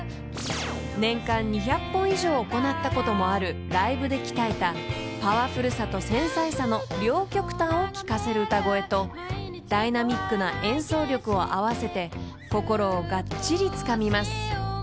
［年間２００本以上行ったこともあるライブで鍛えたパワフルさと繊細さの両極端を聞かせる歌声とダイナミックな演奏力を合わせて心をがっちりつかみます］